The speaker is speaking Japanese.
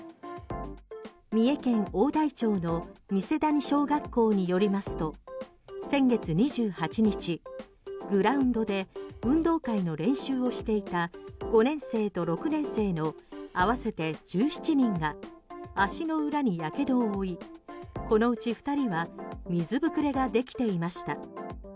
三重県大台町の三瀬谷小学校によりますと先月２８日、グラウンドで運動会の練習をしていた５年生と６年生の合わせて１７人が足の裏にやけどを負いこのうち２人は水ぶくれができていました。